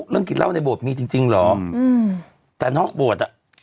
เรื่องกินเหล้าในบทมีจริงเหรออืมแต่นอกบทอ่ะ